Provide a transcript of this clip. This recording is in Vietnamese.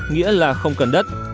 nghĩa là không cần đất